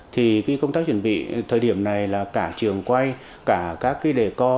thì công tác chuẩn bị thời điểm này là cả trường quay cả các cái đề co